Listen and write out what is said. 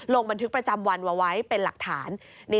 ลงบันทึกประจำวันเอาไว้เป็นหลักฐาน